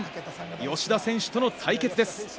吉田選手との対決です。